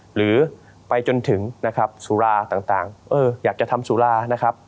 หรือไปจนถึงนะครับสุราต่างอยากจะทำสุรานะครับ